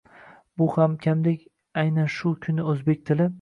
Bu ham kamdek, aynan shu kuni o‘zbek tili.